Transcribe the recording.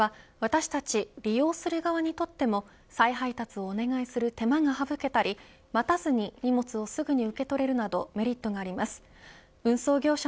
置き配や宅配ボックスは私たち利用する側にとっても再配達をお願いする手間が省けたり待たずに荷物をすぐに受け取れるなどメリットがあります。